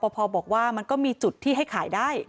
พอบอกว่ามันก็มีจุดที่ให้ขายได้